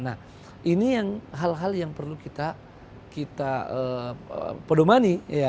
nah ini hal hal yang perlu kita pedomani